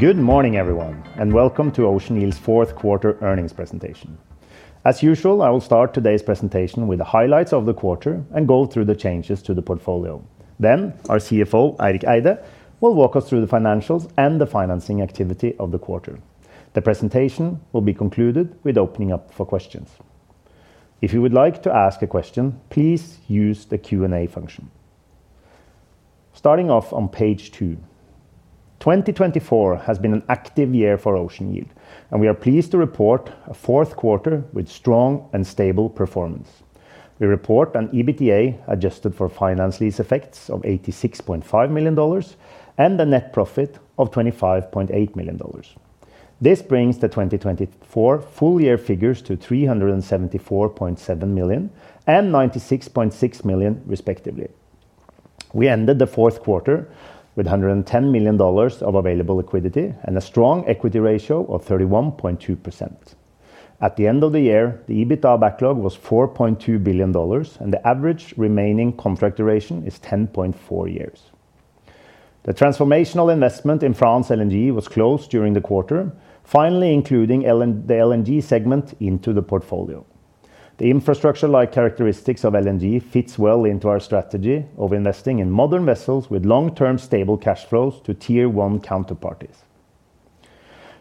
Good morning, everyone, and welcome to Ocean Yield's fourth quarter earnings presentation. As usual, I will start today's presentation with the highlights of the quarter and go through the changes to the portfolio. Then, our CFO, Eirik Eide, will walk us through the financials and the financing activity of the quarter. The presentation will be concluded with opening up for questions. If you would like to ask a question, please use the Q&A function. Starting off on page two, 2024 has been an active year for Ocean Yield, and we are pleased to report a fourth quarter with strong and stable performance. We report an EBITDA adjusted for finance lease effects of $86.5 million and a net profit of $25.8 million. This brings the 2024 full year figures to $374.7 million and $96.6 million, respectively. We ended the fourth quarter with $110 million of available liquidity and a strong equity ratio of 31.2%. At the end of the year, the EBITDA backlog was $4.2 billion, and the average remaining contract duration is 10.4 years. The transformational investment in France LNG was closed during the quarter, finally including the LNG segment into the portfolio. The infrastructure-like characteristics of LNG fit well into our strategy of investing in modern vessels with long-term stable cash flows to tier one counterparties.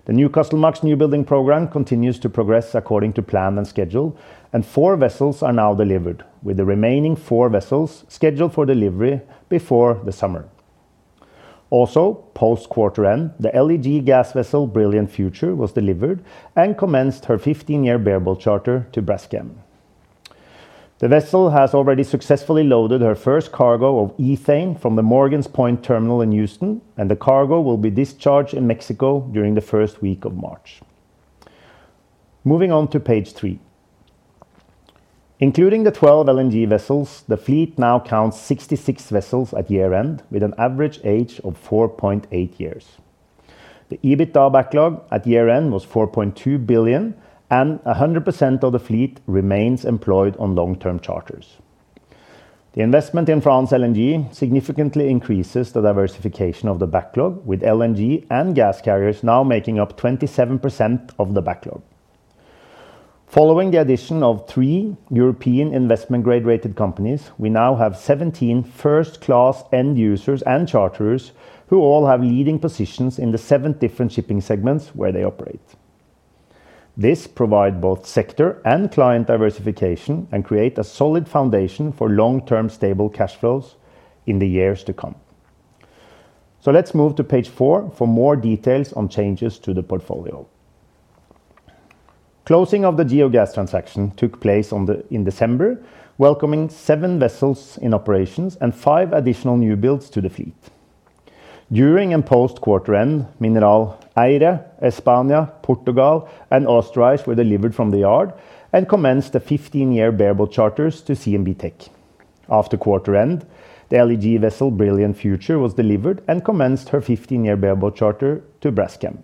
The Newcastle MAX new building program continues to progress according to plan and schedule, and four vessels are now delivered, with the remaining four vessels scheduled for delivery before the summer. Also, post-quarter end, the LEG gas vessel Brilliant Future was delivered and commenced her 15-year bareboat charter to Braskem. The vessel has already successfully loaded her first cargo of ethane from the Morgan's Point terminal in Houston, and the cargo will be discharged in Mexico during the first week of March. Moving on to page three, including the 12 LNG vessels, the fleet now counts 66 vessels at year-end, with an average age of 4.8 years. The EBITDA backlog at year-end was $4.2 billion, and 100% of the fleet remains employed on long-term charters. The investment in France LNG significantly increases the diversification of the backlog, with LNG and gas carriers now making up 27% of the backlog. Following the addition of three European investment-grade rated companies, we now have 17 first-class end users and charterers who all have leading positions in the seven different shipping segments where they operate. This provides both sector and client diversification and creates a solid foundation for long-term stable cash flows in the years to come. Let's move to page four for more details on changes to the portfolio. Closing of the Geogas transaction took place in December, welcoming seven vessels in operations and five additional newbuilds to the fleet. During and post-quarter end, Mineral Eide, España, Portugal, and Austria were delivered from the yard and commenced the 15-year bareboat charters to CMB Tech. After quarter end, the LEG vessel Brilliant Future was delivered and commenced her 15-year bareboat charter to Braskem.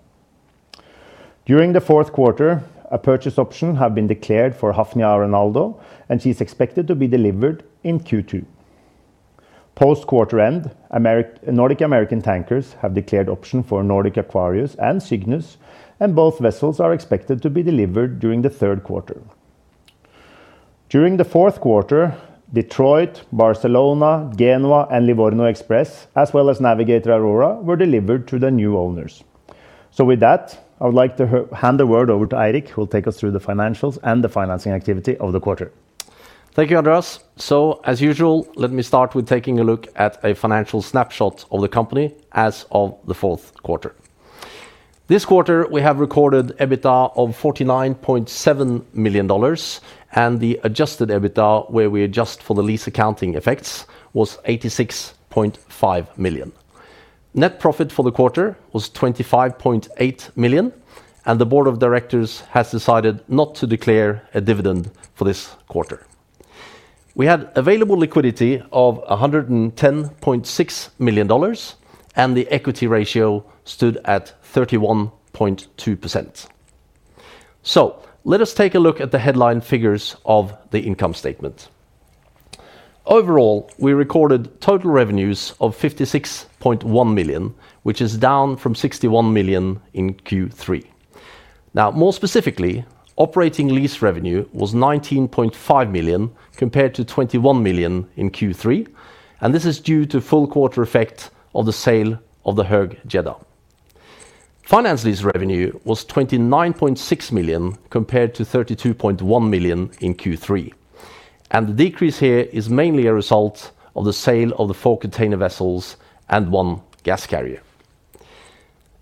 During the fourth quarter, a purchase option has been declared for Hafnia Arenaldo, and she's expected to be delivered in Q2. Post-quarter end, Nordic American Tankers have declared option for Nordic Aquarius and Cygnus, and both vessels are expected to be delivered during the third quarter. During the fourth quarter, Detroit, Barcelona, Genoa, and Livorno Express, as well as Navigator Aurora, were delivered to the new owners. With that, I would like to hand the word over to Eirik, who will take us through the financials and the financing activity of the quarter. Thank you, Andreas. As usual, let me start with taking a look at a financial snapshot of the company as of the fourth quarter. This quarter, we have recorded EBITDA of $49.7 million, and the adjusted EBITDA, where we adjust for the lease accounting effects, was $86.5 million. Net profit for the quarter was $25.8 million, and the board of directors has decided not to declare a dividend for this quarter. We had available liquidity of $110.6 million, and the equity ratio stood at 31.2%. Let us take a look at the headline figures of the income statement. Overall, we recorded total revenues of $56.1 million, which is down from $61 million in Q3. More specifically, operating lease revenue was $19.5 million compared to $21 million in Q3, and this is due to full quarter effect of the sale of the HUG Jeddah. Finance lease revenue was $29.6 million compared to $32.1 million in Q3, and the decrease here is mainly a result of the sale of the four container vessels and one gas carrier.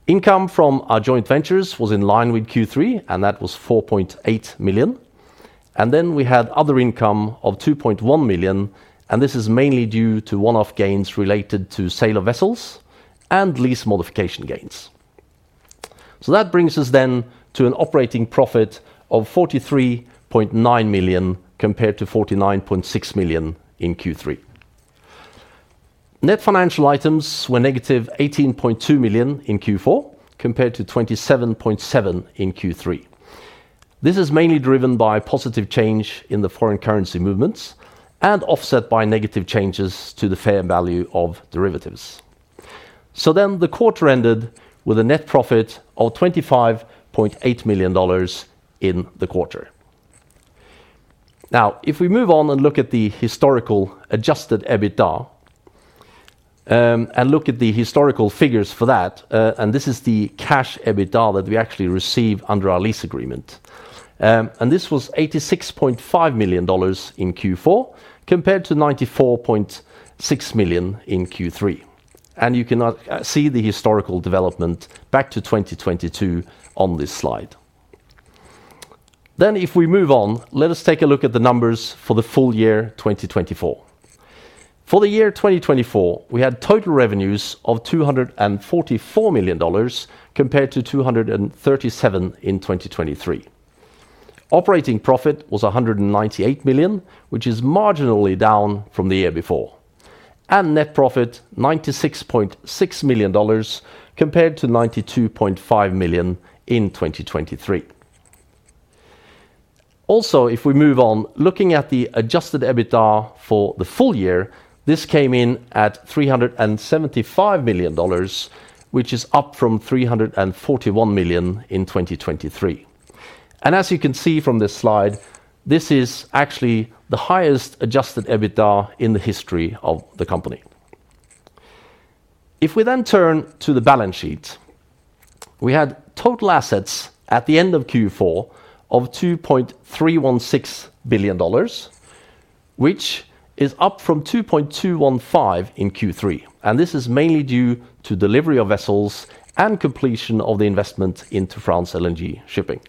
Income from our joint ventures was in line with Q3, and that was $4.8 million. We had other income of $2.1 million, and this is mainly due to one-off gains related to sale of vessels and lease modification gains. That brings us then to an operating profit of $43.9 million compared to $49.6 million in Q3. Net financial items were negative $18.2 million in Q4 compared to $27.7 million in Q3. This is mainly driven by positive change in the foreign currency movements and offset by negative changes to the fair value of derivatives. The quarter ended with a net profit of $25.8 million in the quarter. Now, if we move on and look at the historical adjusted EBITDA and look at the historical figures for that, and this is the cash EBITDA that we actually receive under our lease agreement. This was $86.5 million in Q4 compared to $94.6 million in Q3. You can see the historical development back to 2022 on this slide. If we move on, let us take a look at the numbers for the full year 2024. For the year 2024, we had total revenues of $244 million compared to $237 million in 2023. Operating profit was $198 million, which is marginally down from the year before, and net profit $96.6 million compared to $92.5 million in 2023. Also, if we move on, looking at the adjusted EBITDA for the full year, this came in at $375 million, which is up from $341 million in 2023. As you can see from this slide, this is actually the highest adjusted EBITDA in the history of the company. If we then turn to the balance sheet, we had total assets at the end of Q4 of $2.316 billion, which is up from $2.215 billion in Q3, and this is mainly due to delivery of vessels and completion of the investment into France LNG shipping.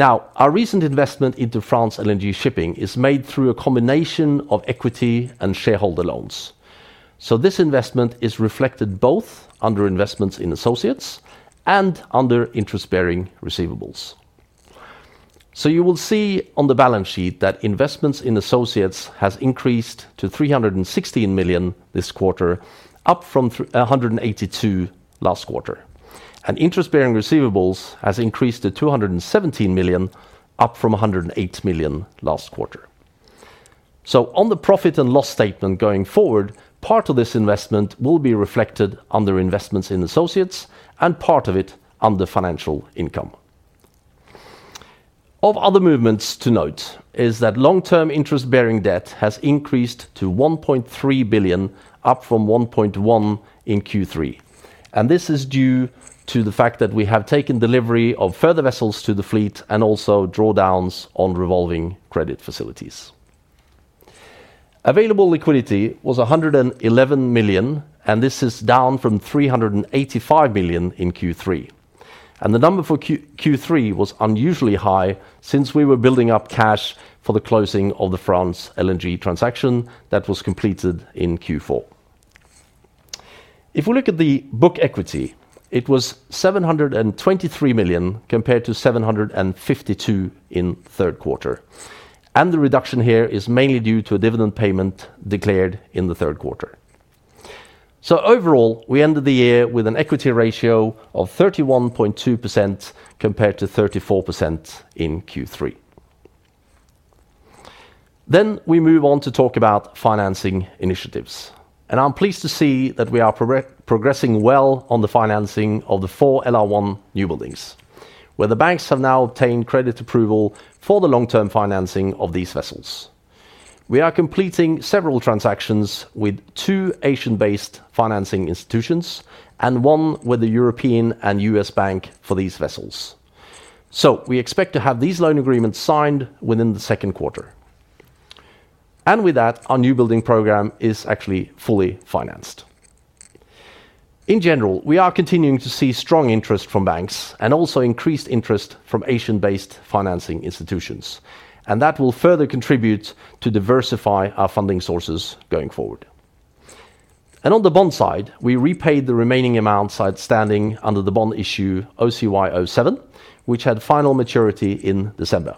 Our recent investment into France LNG shipping is made through a combination of equity and shareholder loans. This investment is reflected both under investments in associates and under interest-bearing receivables. You will see on the balance sheet that investments in associates have increased to $316 million this quarter, up from $182 million last quarter, and interest-bearing receivables have increased to $217 million, up from $108 million last quarter. On the profit and loss statement going forward, part of this investment will be reflected under investments in associates and part of it under financial income. Of other movements to note is that long-term interest-bearing debt has increased to $1.3 billion, up from $1.1 billion in Q3, and this is due to the fact that we have taken delivery of further vessels to the fleet and also drawdowns on revolving credit facilities. Available liquidity was $111 million, and this is down from $385 million in Q3. The number for Q3 was unusually high since we were building up cash for the closing of the France LNG transaction that was completed in Q4. If we look at the book equity, it was $723 million compared to $752 million in third quarter, and the reduction here is mainly due to a dividend payment declared in the third quarter. Overall, we ended the year with an equity ratio of 31.2% compared to 34% in Q3. We move on to talk about financing initiatives, and I'm pleased to see that we are progressing well on the financing of the four LR1 new buildings, where the banks have now obtained credit approval for the long-term financing of these vessels. We are completing several transactions with two Asian-based financing institutions and one with the European and US Bank for these vessels. We expect to have these loan agreements signed within the second quarter. With that, our new building program is actually fully financed. In general, we are continuing to see strong interest from banks and also increased interest from Asian-based financing institutions, and that will further contribute to diversify our funding sources going forward. On the bond side, we repaid the remaining amount outstanding under the bond issue OCY07, which had final maturity in December,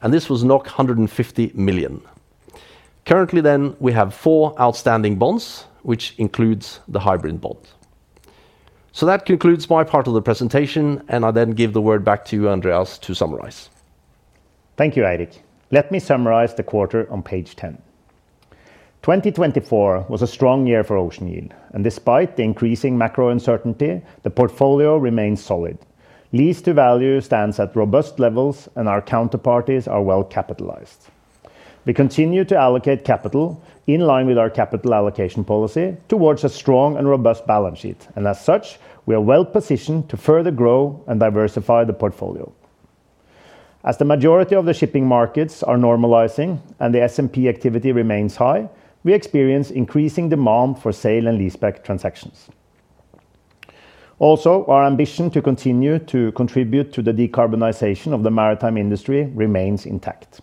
and this was $150 million. Currently, we have four outstanding bonds, which includes the hybrid bond. That concludes my part of the presentation, and I then give the word back to you, Andreas, to summarize. Thank you, Eirik. Let me summarize the quarter on page 10. 2024 was a strong year for Ocean Yield, and despite the increasing macro uncertainty, the portfolio remains solid. Lease-to-value stands at robust levels, and our counterparties are well capitalized. We continue to allocate capital in line with our capital allocation policy towards a strong and robust balance sheet, and as such, we are well positioned to further grow and diversify the portfolio. As the majority of the shipping markets are normalizing and the S&P activity remains high, we experience increasing demand for sale and leaseback transactions. Also, our ambition to continue to contribute to the decarbonization of the maritime industry remains intact.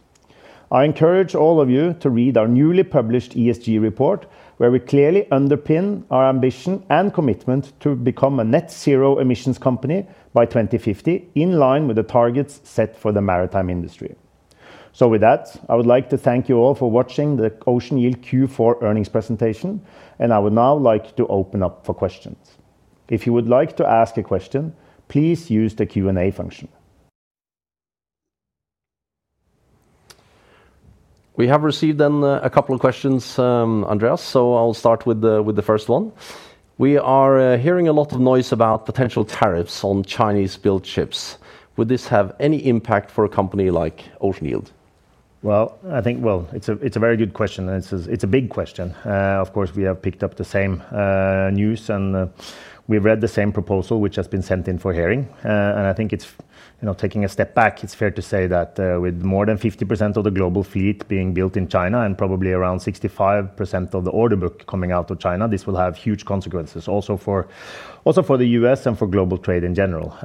I encourage all of you to read our newly published ESG report, where we clearly underpin our ambition and commitment to become a net zero emissions company by 2050 in line with the targets set for the maritime industry. I would like to thank you all for watching the Ocean Yield Q4 earnings presentation, and I would now like to open up for questions. If you would like to ask a question, please use the Q&A function. We have received then a couple of questions, Andreas, so I'll start with the first one. We are hearing a lot of noise about potential tariffs on Chinese-built ships. Would this have any impact for a company like Ocean Yield? I think, it's a very good question, and it's a big question. Of course, we have picked up the same news, and we've read the same proposal which has been sent in for hearing, and I think it's taking a step back. It's fair to say that with more than 50% of the global fleet being built in China and probably around 65% of the order book coming out of China, this will have huge consequences also for the U.S. and for global trade in general.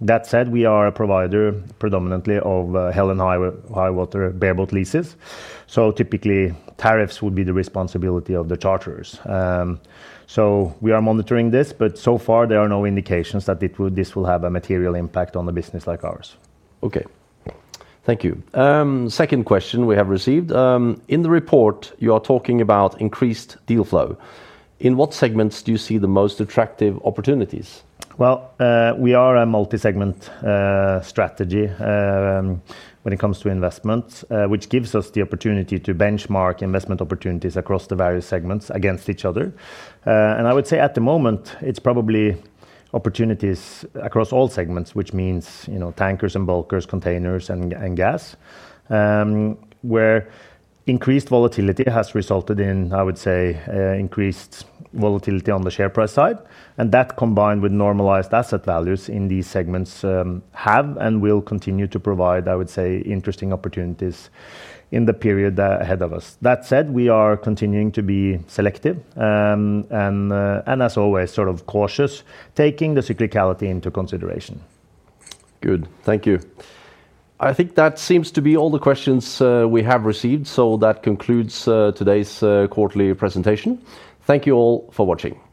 That said, we are a provider predominantly of Helen Highwater bareboat leases, so typically tariffs would be the responsibility of the charterers. We are monitoring this, but so far there are no indications that this will have a material impact on a business like ours. Okay, thank you. Second question we have received. In the report, you are talking about increased deal flow. In what segments do you see the most attractive opportunities? We are a multi-segment strategy when it comes to investment, which gives us the opportunity to benchmark investment opportunities across the various segments against each other. I would say at the moment, it's probably opportunities across all segments, which means tankers and bulkers, containers, and gas, where increased volatility has resulted in, I would say, increased volatility on the share price side. That combined with normalized asset values in these segments have and will continue to provide, I would say, interesting opportunities in the period ahead of us. That said, we are continuing to be selective and, as always, sort of cautious, taking the cyclicality into consideration. Good, thank you. I think that seems to be all the questions we have received, so that concludes today's quarterly presentation. Thank you all for watching.